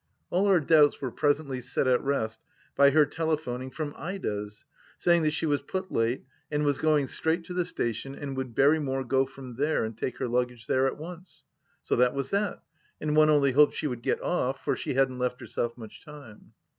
All our doubts were presently set at rest by her telephoning from Ida's 1 — saying that she was put late, and was going straight to the station and would Berry more go from here and take her luggage there at once ? So that was that, and one only hoped she would get off. for she hadn't left herself much time.